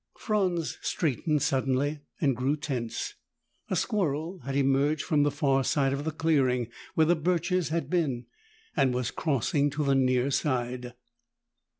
Franz straightened suddenly and grew tense. A squirrel had emerged from the far side of the clearing where the birches had been and was crossing to the near side.